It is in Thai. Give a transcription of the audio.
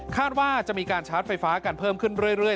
ว่าจะมีการชาร์จไฟฟ้ากันเพิ่มขึ้นเรื่อย